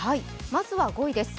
まずは５位です。